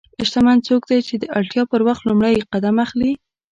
شتمن څوک دی چې د اړتیا پر وخت لومړی قدم اخلي.